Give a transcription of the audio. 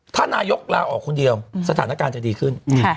ถ้านายกลาออกคนเดียวสถานการณ์จะดีขึ้น